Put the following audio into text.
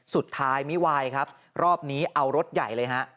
สุดท้ายไม่ไหวครับรอบนี้เอารถใหญ่เลยฮะ